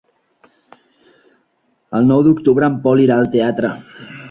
El nou d'octubre en Pol irà al teatre.